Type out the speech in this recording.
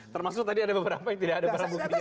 termasuk tadi ada beberapa yang tidak ada barang buktinya